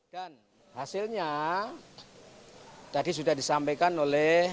dan hasilnya tadi sudah disampaikan oleh